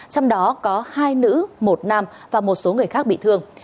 trong đó có hai nữ một nam và một số người khác bị thương